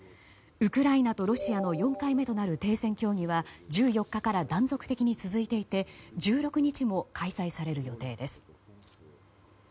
ウクライナとロシアの４回目となる停戦協議は１４日から断続的に続いていて１６日にも開催される予定です。